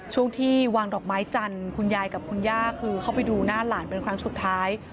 ช่วงที่วางดอกไม้จันทร์คุณยายกับคุณย่าคือเข้าไปดูหน้าหลานเป็นครั้งสุดท้าย